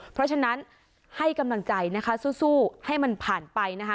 เพราะฉะนั้นให้กำลังใจนะคะสู้ให้มันผ่านไปนะคะ